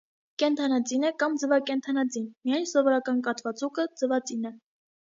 Կենդանածին է կամ ձվակենդանածին, միայն սովորական կատվաձուկը ձվածին է։